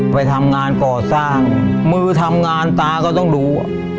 ไปทำงานก่อสร้างมือทำงานตาก็ต้องดู